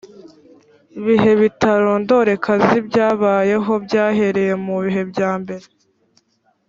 bihe bitarondoreka z ibyabayeho byahereye mu bihe byambere